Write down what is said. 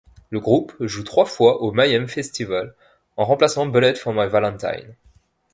Le groupe joue trois fois au Mayhem Festival, en remplaçant Bullet for My Valentine.